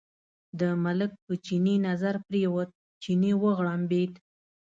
د ملک په چیني نظر پرېوت، چیني وغړمبېد.